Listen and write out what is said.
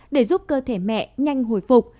để giúp cơ thể mẹ nhanh hồi phục